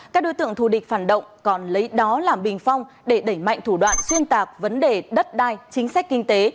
các đối tượng thù địch phản động còn lấy đó làm bình phong để đẩy mạnh thủ đoạn xuyên tạp vấn đề đất đai chính sách kinh tế